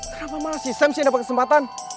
kenapa malah si sam sih yang dapet kesempatan